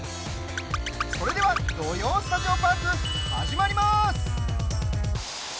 それでは「土曜スタジオパーク」始まります！